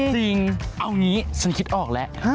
จริงเอางี้ฉันคิดออกแล้ว